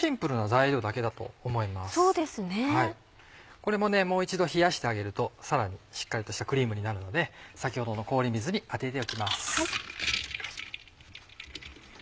これもねもう一度冷やしてあげるとさらにしっかりとしたクリームになるので先ほどの氷水に当てておきます。